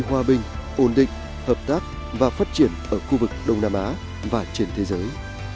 ở khu vực đông nam á và trên thế giới